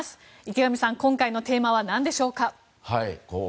池上さん、今回のテーマは何でしょうか。